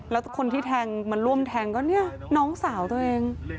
แล้วคนที่แทงมาร่วมแทงก็เนี่ยน้องสาวตัวเอง